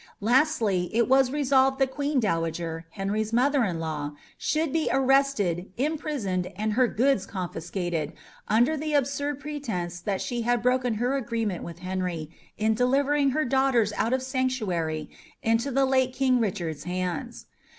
Lastly, it was resolved the Queen Dowager, Henry's mother in law, should be arrested, imprisoned, and her goods confiscated, under the absurd pretence that she had broken her agreement with Henry in delivering her daughters out of sanctuary into the late King Richard's hands.